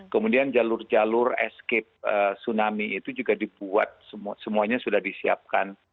kemudian jalur jalur escape tsunami itu juga dibuat semuanya sudah disiapkan